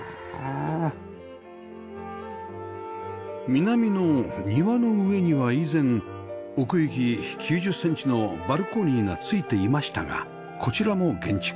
南の庭の上には以前奥行き９０センチのバルコニーがついていましたがこちらも減築